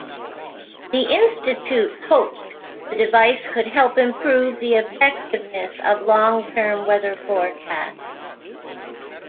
The Institute hoped the device could help improve the effectiveness of long-term weather forecasts.